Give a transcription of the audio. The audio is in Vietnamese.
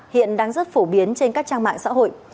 hiện đang rất phổ biến trên các trang mạng xã hội